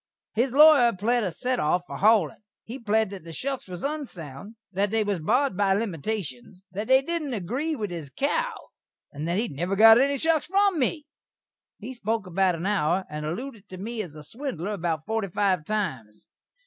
His lawyer pled a set off for haulin'. He pled that the shuks was unsound; that they was barred by limitashuns; that they didn't agree with his cow; and that he never got any shuks from me. He spoak about a hour, and allooded to me as a swindler about forty five times.